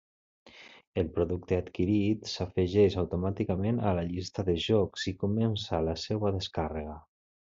El producte adquirit s'afegeix automàticament a la llista de jocs i comença la seua descàrrega.